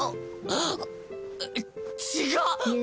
あっ違っ。